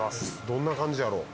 どんな感じやろ？